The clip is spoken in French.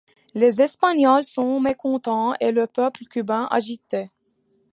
Les Espagnols sont mécontents et le peuple cubain, agité.